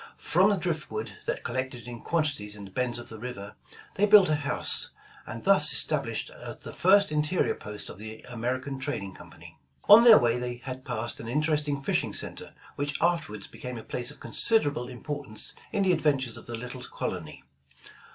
From the drift wood that collected in quantities in the bends of the river, they built a house, and thus es tablished the first interior post of the American Trad ing Company. 165 The Original John Jacob Astor On their way they had passed an interesting fishing center, which afterward became a place of considerable importance in the adventures of the little colony.